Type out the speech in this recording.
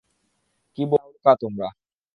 কী বোকা তোমরা!